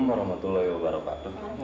assalamualaikum warahmatullahi wabarakatuh